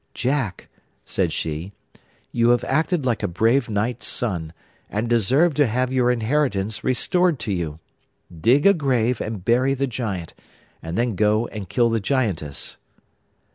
'Jack,' said she, 'you have acted like a brave knight's son, and deserve to have your inheritance restored to you. Dig a grave and bury the Giant, and then go and kill the Giantess.